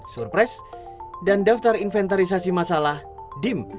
surprise dan daftar inventarisasi masalah dim